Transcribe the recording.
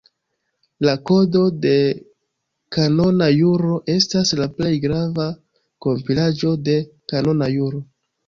La Kodo de Kanona Juro estas la plej grava kompilaĵo de kanona juro.